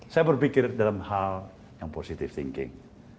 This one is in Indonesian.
saya berpikir dalam hal yang positive thinking